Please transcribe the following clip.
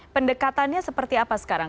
pendekatannya seperti apa sekarang